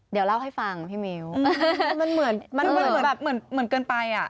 เดี๋ยวเล่าให้ฟังพี่มิ้วมันเหมือนมันเหมือนแบบเหมือนเกินไปอ่ะ